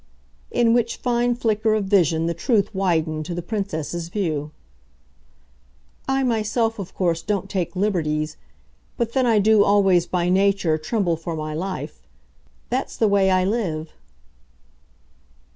In which fine flicker of vision the truth widened to the Princess's view. "I myself of course don't take liberties, but then I do, always, by nature, tremble for my life. That's the way I live."